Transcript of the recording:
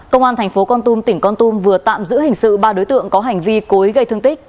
công an thành phố con tum tỉnh con tum vừa tạm giữ hình sự ba đối tượng có hành vi cối gây thương tích